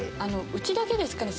うちだけですかね？